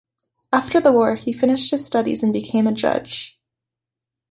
After the war he finished his studies and became a judge.